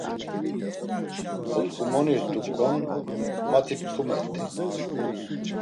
Otkumoni rt̆ukon mati ptkumert̆i.